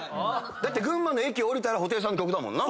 だって群馬の駅降りたら布袋さんの曲だもんな？